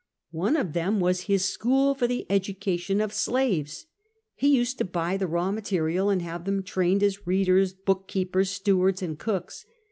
One of them was his school for the education of slaves. He used to buy the raw material, and have them trained as readers, book keepers, stewards, and cooks.